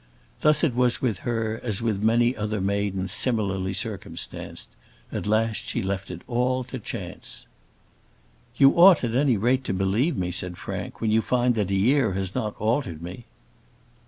Thus it was with her as with so many other maidens similarly circumstanced; at last she left it all to chance. "You ought, at any rate, to believe me," said Frank, "when you find that a year has not altered me."